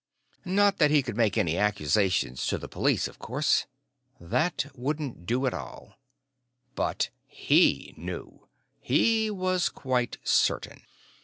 Not that he could make any accusations to the police, of course. That wouldn't do at all. But he knew. He was quite certain.